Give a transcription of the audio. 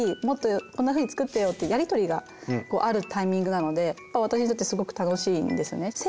もっとこんなふうに作ってよ」ってやりとりがあるタイミングなので私にとってすごく楽しいんですね。